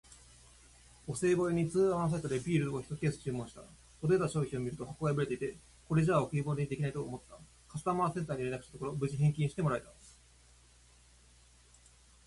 お歳暮用に通販サイトでビールをひとケース注文した。届いた商品を見ると箱が破れていて、これじゃ贈り物にできないと思った。カスタマーセンターに連絡したところ、無事返金してもらえた！